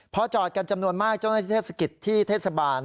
พอจอดกันจำนวนมากเจ้าหน้าที่เทศกิจที่เทศบาล